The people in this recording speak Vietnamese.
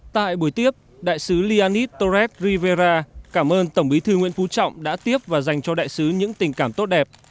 tại buổi tiếp đại sứ lianis torres rivera cảm ơn tổng bí thư nguyễn phú trọng đã tiếp và dành cho đại sứ những tình cảm tốt đẹp